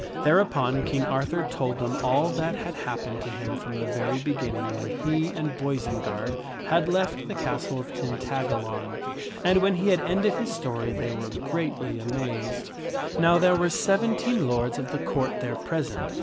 Thereupon King Arthur told them all that had happened to him from the very beginning when he and Boisenard had left the castle of Tin tagalon. And when he had ended his story, they were greatly amazed. Now there were seventeen lords of the Court there present.